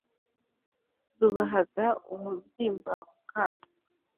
Rubahaga umubyimba ukaguka